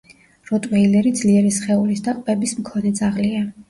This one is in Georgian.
როტვეილერი ძლიერი სხეულის და ყბების მქონე ძაღლია.